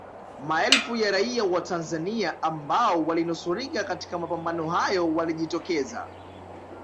Maelfu ya raia wa Tanzania ambao walinusurika katika mapambano hayo walijitokeza